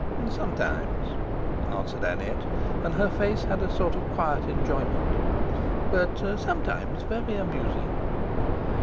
"Sometimes," answered Annette, and her face had a sort of quiet enjoyment. "But sometimes very amusing."